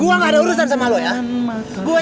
gue cuma ada urusan sama perempuan lo